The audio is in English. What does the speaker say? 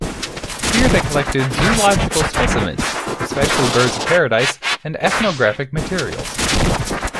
Here they collected zoological specimens, especially birds-of-paradise and ethnographic materials.